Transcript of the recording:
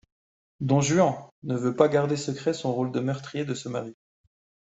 Don Juan ne veut pas garder secret son rôle de meurtrier de ce mari.